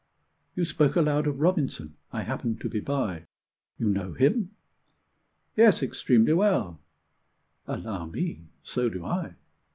You spoke aloud of Robinson I happened to be by. You know him?" "Yes, extremely well." "Allow me, so do I."